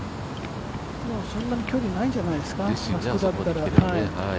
そんなに距離ないんじゃないですか、あそこだったら。